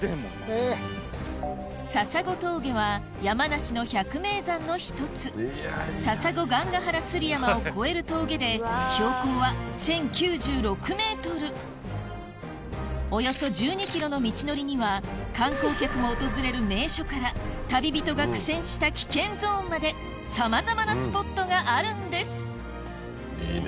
笹子峠は山梨の百名山の１つ笹子雁ヶ腹摺山を越える峠でおよそ１２ｋｍの道のりには観光客も訪れる名所から旅人が苦戦した危険ゾーンまでさまざまなスポットがあるんですいいね。